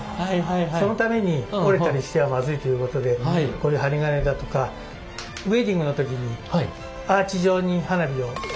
そのために折れたりしてはまずいということでこういう針金だとかウエディングの時にアーチ状に花火をその間を。